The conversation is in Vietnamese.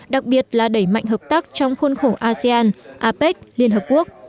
đặc biệt là đẩy mạnh hợp tác trong khuôn khổ asean apec liên hợp quốc